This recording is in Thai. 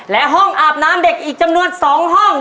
และห้องอาบน้ำเด็กอีกจำนวน๒ห้อง